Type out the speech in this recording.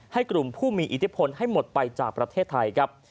ให้กลุ่มผู้มีอิทธิพลให้หมดไปจากประเทศไทยครับ